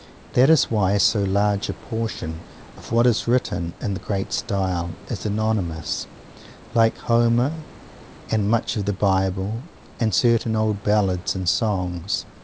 That is why so large a portion of what is written in the great style is anonymous like Homer and much of the Bible and certain old ballads and songs.